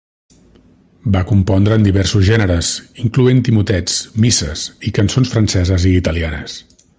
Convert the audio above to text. Va compondre en diversos gèneres, incloent-hi motets, misses i cançons franceses i italianes.